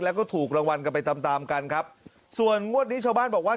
แล้วก็ถูกรางวัลกันไปตามตามกันครับส่วนงวดนี้ชาวบ้านบอกว่า